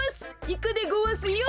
いくでごわすよ！